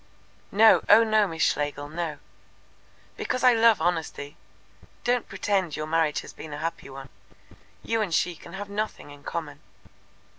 "No, oh no, Miss Schlegel, no." "Because I love honesty. Don't pretend your marriage has been a happy one. You and she can have nothing in common."